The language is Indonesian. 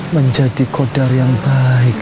menjadi kodar yang baik